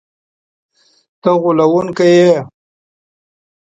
ته غولونکی یې!”